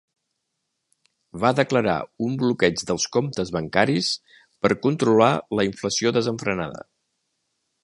Va declarar un bloqueig dels comptes bancaris per controlar la inflació desenfrenada.